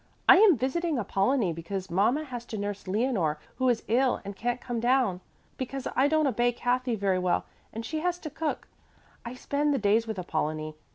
I am visiting Apollonie because mama has to nurse Leonore, who is ill and can't come down. Because I don't obey Kathy very well and she has to cook, I spend the days with Apollonie.